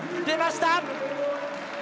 出ました！